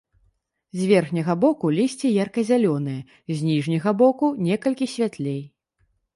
З верхняга боку лісце ярка-зялёнае, з ніжняга боку некалькі святлей.